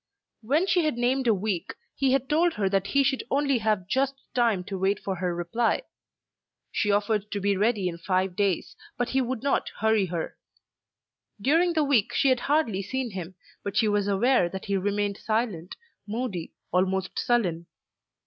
When she had named a week, he had told her that he should only have just time to wait for her reply. She offered to be ready in five days, but he would not hurry her. During the week she had hardly seen him, but she was aware that he remained silent, moody, almost sullen.